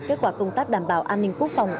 kết quả công tác đảm bảo an ninh quốc phòng